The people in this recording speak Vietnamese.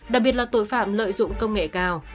đặc biệt là tội phạm lợi dụng công nghệ cao